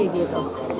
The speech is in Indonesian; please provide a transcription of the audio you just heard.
sampai sekarang belum ya